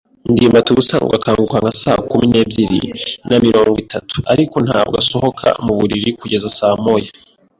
ndimbati ubusanzwe akanguka nka saa kumi n'ebyiri na mirongo itatu, ariko ntabwo asohoka muburiri kugeza saa moya.